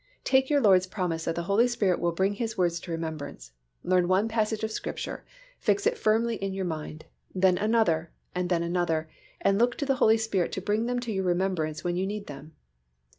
"Take your Lord's promise that the Holy Spirit will bring His words to remembrance, learn one passage of Scripture, fix it firmly in your mind, then another and then another and look to the Holy Spirit to bring them to your remembrance when you need them."